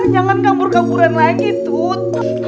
jangan kabur kaburan lagi tuh